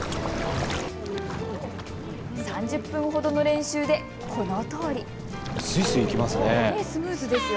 ３０分ほどの練習でこのとおり。